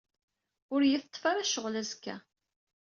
Ur y-iteṭṭef ara ccɣel azekka.